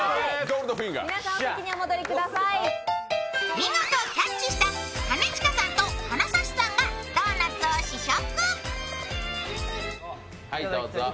見事キャッチした兼近さんと金指さんがドーナツを試食。